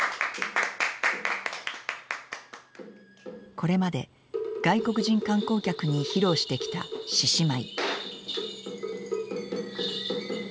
これまで外国人観光客に披露してきた獅子舞。